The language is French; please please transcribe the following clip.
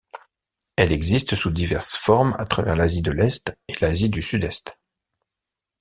Elle existe sous diverses formes à travers l'Asie de l'Est et l'Asie du Sud-Est.